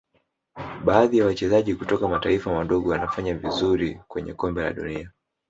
baadhi ya wachezaji kutoka mataifa madogo wanafanya vizuri kwenye Kombe la dunia